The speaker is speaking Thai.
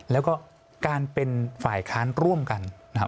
แล้วก็การเป็นฝ่ายค้านร่วมกัน